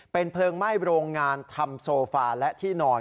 เป็นเพลิงไหม้โรงงานทำโซฟาและที่นอน